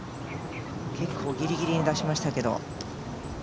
結構、ギリギリに出しましたけど。